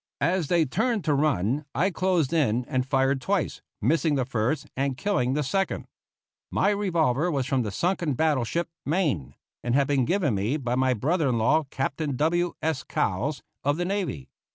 As they turned to run I closed in and fired twice, missing the first and killing the second. My revolver was from the sunken battle ship Maine, and had been given me by my brother in law, Captain W. S. Cowles, of the Navy.